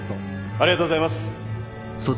ありがとうございます。